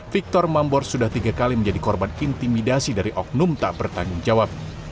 victor mambor sudah tiga kali menjadi korban intimidasi dari oknum tak bertanggung jawab